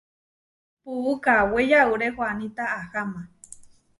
Puú kawé yauré huaníta aháma.